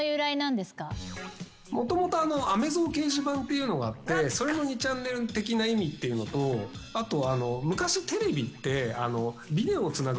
もともとあめぞう掲示板っていうのがあってそれの２チャンネル的な意味っていうのとあと。